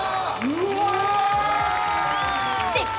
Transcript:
うわ。